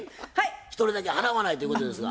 一人だけ払わないということですが。